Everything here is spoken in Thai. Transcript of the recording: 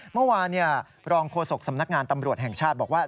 เมื่อวานรองโฆษกสำนักงานตำรวจแห่งชาติบอกว่า